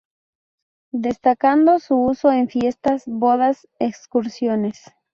Destacando su uso en fiestas, bodas, excursiones.